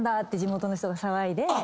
って地元の人が騒いで。